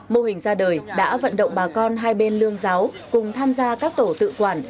mô hình ra đời đã vận động bà con hai bên lương giáo cùng tham gia các tổ tự quản